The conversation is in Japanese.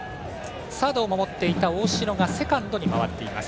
サードを守っていた大城がセカンドに回っています。